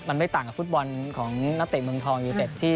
มันไม่ต่างกับฟุตบอลของนาติกเมืองทองอยู่เต็ด